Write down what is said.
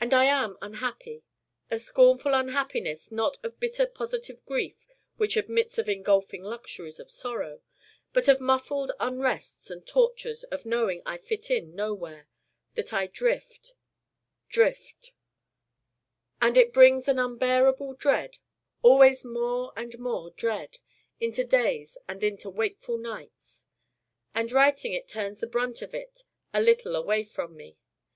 And I am unhappy a scornful unhappiness not of bitter positive grief which admits of engulfing luxuries of sorrow, but of muffled unrests and tortures of knowing I fit in nowhere, that I drift drift and it brings an unbearable dread, always more and more dread, into days and into wakeful nights. And writing it turns the brunt of it a little away from me.